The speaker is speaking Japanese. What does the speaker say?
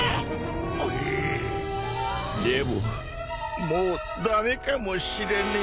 ウィでももう駄目かもしれねえ。